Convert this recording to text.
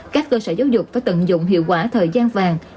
các cơ sở giáo dục phải tận dụng hiệu quả thời gian vàng